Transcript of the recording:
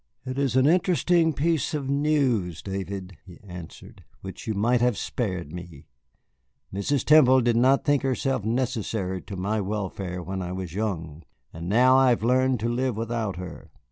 "It is an interesting piece of news, David," he answered, "which you might have spared me. Mrs. Temple did not think herself necessary to my welfare when I was young, and now I have learned to live without her."